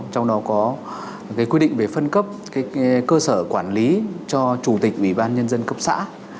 trong đó có quy định về phân cấp cơ sở quản lý cho chủ tịch ủy ban nhân dân cấp xã